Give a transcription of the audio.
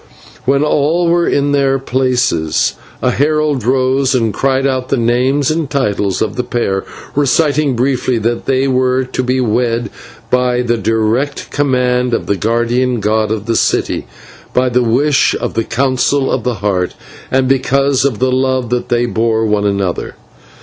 When all were in their places a herald rose and cried out the names and titles of the pair, reciting briefly that they were to be wed by the direct command of the guardian god of the city, by the wish of the Council of the Heart, and because of the love that they bore one another.